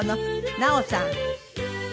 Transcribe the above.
奈緒さん